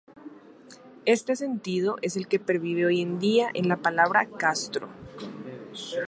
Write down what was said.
Este sentido es el que pervive hoy en día en la palabra castro.